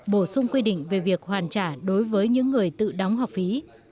bổ sung quy định về việc hoàn trả đối với những người tự đóng học phí